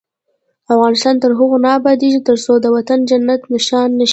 افغانستان تر هغو نه ابادیږي، ترڅو دا وطن جنت نښان نشي.